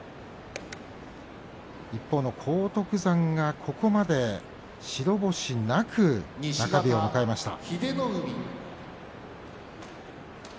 一方の荒篤山が、ここまで白星なく中日を迎えました。